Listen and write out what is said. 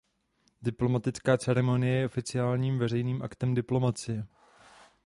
Diplomatická ceremonie je oficiálním veřejným aktem diplomacie.